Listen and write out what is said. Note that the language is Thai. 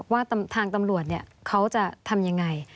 ว่าทางตำรวจเขาจะทำยังไง